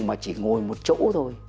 mà chỉ ngồi một chỗ thôi